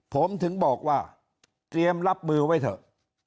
ผมถึงบอกว่าเตรียมรับมือไว้เถอะ